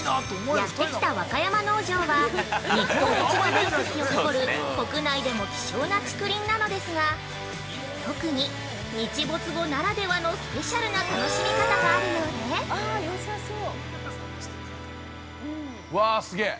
◆やってきた若山農場は日本一の面積を誇る国内でも希少な竹林なのですが特に日没後ならではのスペシャルな楽しみ方があるようで◆うわっ、すげえ。